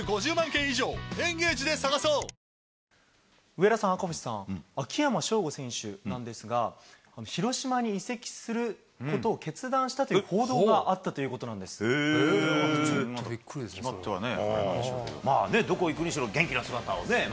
上田さん、赤星さん、秋山翔吾選手なんですが、広島に移籍することを決断したという報ちょっとびっくりですね。